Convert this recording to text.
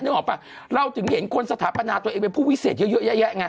เดียวมองออกไปเรายังเห็นคนสถาปัญญาตัวเองเป็นผู้วิเศษเยอะเยอะเหนียงไง